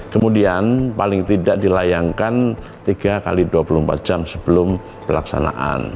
kemudian paling tidak dilayangkan tiga x dua puluh empat jam sebelum pelaksanaan